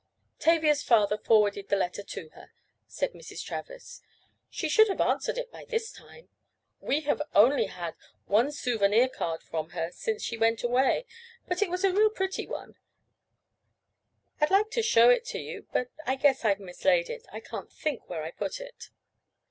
"Tavia's father forwarded the letter to her," said Mrs. Travers. "She should have answered it by this time. We have only had one souvenir card from her since she went away, but it was a real pretty one; I'd like to show it to you, but I guess I've mislaid it. I can't think where I put it."